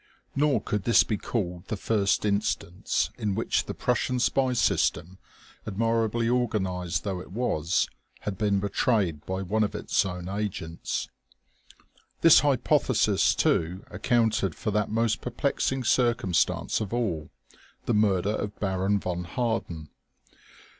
Nor could this be called the first instance in which the Prussian spy system, admirably organized though it was, had been betrayed by one of its own agents. This hypothesis, too, accounted for that most perplexing circumstance of all, the murder of Baron von Harden.